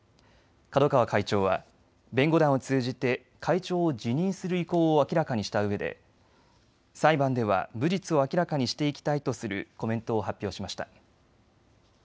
角川会長は弁護団を通じて会長を辞任する意向を明らかにしたうえで裁判では無実を明らかにしていきたいとするコメントを発表しました。